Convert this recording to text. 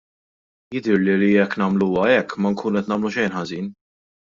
Jidhirli li jekk nagħmluha hekk ma nkunu qed nagħmlu xejn ħażin.